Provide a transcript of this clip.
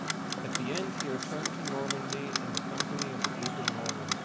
At the end he returned to Normandy in the company of a group of Normans.